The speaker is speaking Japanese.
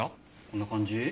こんな感じ？